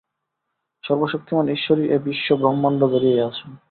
সর্বশক্তিমান ঈশ্বরই এই বিশ্ব-ব্রহ্মাণ্ড ধরিয়া আছেন।